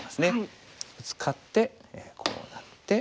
ブツカってこうなって。